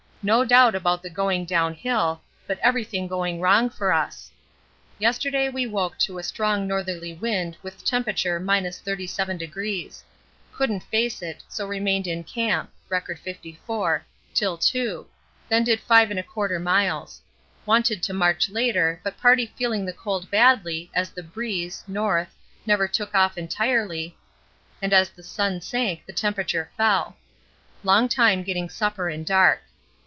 No doubt about the going downhill, but everything going wrong for us. Yesterday we woke to a strong northerly wind with temp. 37°. Couldn't face it, so remained in camp (R. 54) till 2, then did 5 1/4 miles. Wanted to march later, but party feeling the cold badly as the breeze (N.) never took off entirely, and as the sun sank the temp. fell. Long time getting supper in dark.